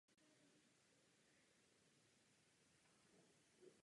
Nikde však není hojný a vzhledem ke způsobu života uniká pozornosti.